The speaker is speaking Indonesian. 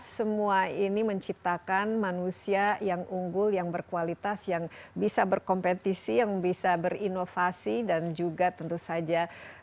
semua ini menciptakan manusia yang unggul yang berkualitas yang bisa berkompetisi yang bisa berinovasi dan juga tentu saja